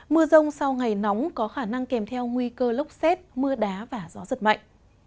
mưa rông sau ngày nóng có khả năng kèm theo nguy cơ lốc xét mưa đá và gió giật mạnh